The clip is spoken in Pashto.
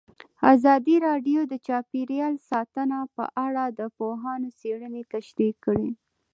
ازادي راډیو د چاپیریال ساتنه په اړه د پوهانو څېړنې تشریح کړې.